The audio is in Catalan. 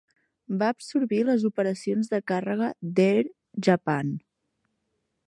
Va absorbir les operacions de càrrega d'Air Japan.